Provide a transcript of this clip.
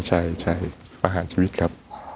ใช่ประหารชีวิตครับ